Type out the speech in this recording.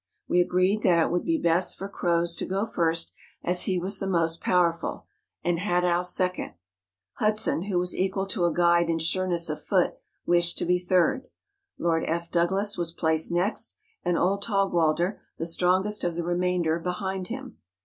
We agreed that it would be best for Croz to go first, as he was the most power¬ ful, and Hadov7 second; Hudson, who was equal to THE MATTERHORN. 103 a guide in sureness of foot wished to be third; Lord F*. Douglas was placed next, and old Taugwalder, the strongest of the remainder, behind him.